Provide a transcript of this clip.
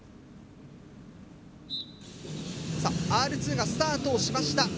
さあＲ２がスタートをしました。